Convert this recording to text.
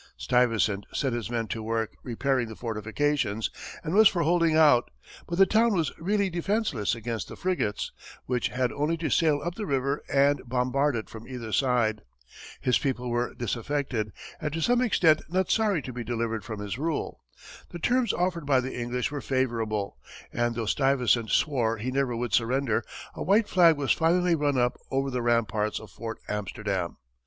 Stuyvesant set his men to work repairing the fortifications, and was for holding out, but the town was really defenseless against the frigates, which had only to sail up the river and bombard it from either side; his people were disaffected and to some extent not sorry to be delivered from his rule; the terms offered by the English were favorable, and though Stuyvesant swore he never would surrender, a white flag was finally run up over the ramparts of Fort Amsterdam.